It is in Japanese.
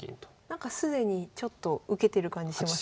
なんか既にちょっと受けてる感じしますね。